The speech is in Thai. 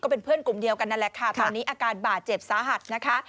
เป็นเพื่อนกลุ่มเดียวกันนั่นแหละค่ะตอนนี้อาการบาดเจ็บสาหัสนะคะ